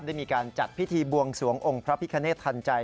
ได้มีการจัดพิธีบวงสวงองค์พระพิคเนธทันใจ